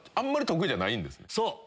そう！